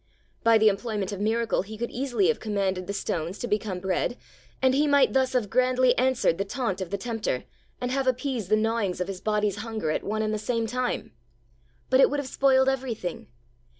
By the employment of miracle He could easily have commanded the stones to become bread, and He might thus have grandly answered the taunt of the Tempter and have appeased the gnawings of His body's hunger at one and the same time. But it would have spoiled everything.